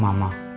iya mah kita tau